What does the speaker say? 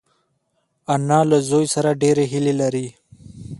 انا له زوی سره ډېرې هیلې لري